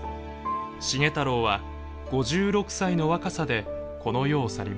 繁太郎は５６歳の若さでこの世を去ります。